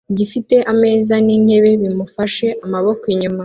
gifite ameza n'intebe bimufashe amaboko inyuma